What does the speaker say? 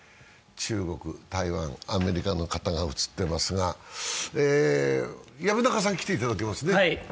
中国、台湾、アメリカの方が写っていますが、薮中さん、来ていただけますね。